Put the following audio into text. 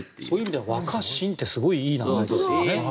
そういう意味では若新っていい名前ですね。